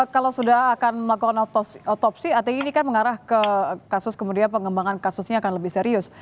kalau sudah akan melakukan otopsi artinya ini kan mengarah ke kasus kemudian pengembangan kasusnya akan lebih serius